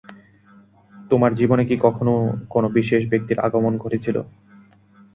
তোমার জীবনে কি কখনো কোনো বিশেষ ব্যাক্তির আগমন ঘটেছিল?